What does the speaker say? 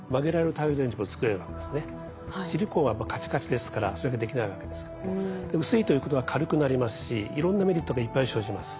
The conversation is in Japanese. シリコンはカチカチですからそれができないわけですけども薄いということは軽くなりますしいろんなメリットがいっぱい生じます。